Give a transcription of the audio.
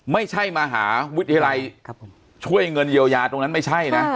ไม่ใช่มหาวิทยาลัยช่วยเงินเยียวยาตรงนั้นไม่ใช่นะ